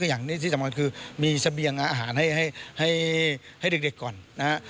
อย่างนี้ที่สำคัญคือมีเสบียงอาหารให้เด็กก่อนนะฮะ